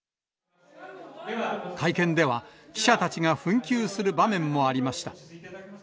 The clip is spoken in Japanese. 会見では、記者たちが紛糾する場面もありました。